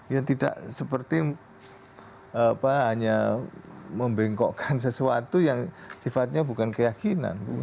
ya tidak seperti hanya membengkokkan sesuatu yang sifatnya bukan keyakinan